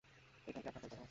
এটাই কী আপনার পরিকল্পনা?